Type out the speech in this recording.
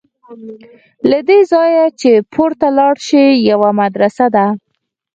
له دې ځایه چې پورته لاړ شې یوه مدرسه ده.